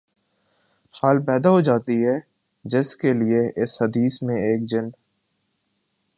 حال پیدا ہو جاتی ہے جس کے لیے اس حدیث میں ایک جن